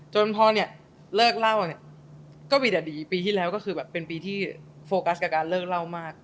จนพอเนี่ยเลิกเล่าเนี่ยก็มีแต่ดีปีที่แล้วก็คือแบบเป็นปีที่โฟกัสกับการเลิกเล่ามาก